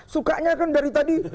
sukanya kan dari tadi